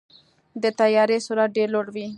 د طیارې سرعت ډېر لوړ وي.